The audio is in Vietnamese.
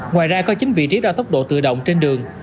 ngoài ra có chín vị trí đo tốc độ tự động trên đường